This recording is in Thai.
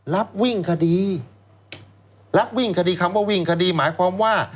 รับวิ่งคดีรับวิ่งคดีคำว่าวิ่งคดีหมายความว่า